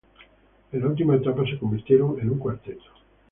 En la última etapa se convirtieron en un cuarteto.